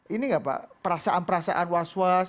ini nggak pak perasaan perasaan was was